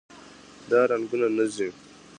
دا رنګونه نه ځي.